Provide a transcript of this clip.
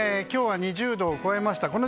今日は２０度を超えました。